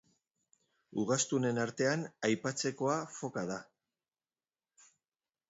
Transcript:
Ugaztunen artean aipatzekoa foka da.